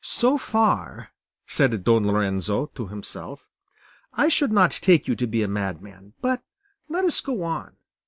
"So far," said Don Lorenzo to himself, "I should not take you to be a madman; but let us go on."